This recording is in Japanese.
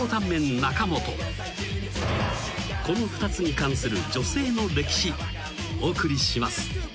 ［この２つに関する女性の歴史お送りします］